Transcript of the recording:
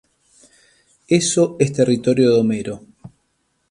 Eso es territorio de Homero.